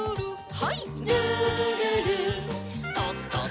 はい。